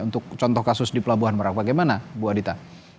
untuk contoh kasus di pelabuhan merak bagaimana bu adita